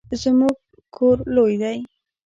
زمونږ کور لوی دی